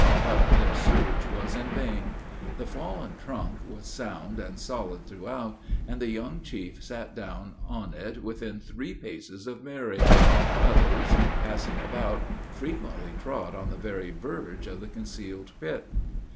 But their search was in vain. The fallen trunk was sound and solid throughout, and the young chief sat down on it within three paces of Mary! Others, in passing about, frequently trod on the very verge of the concealed pit.